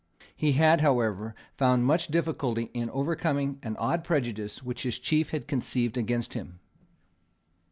He had, however, found much difficulty in overcoming an odd prejudice which his chief had conceived against him.